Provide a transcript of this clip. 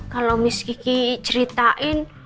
kalau miss gigi ceritain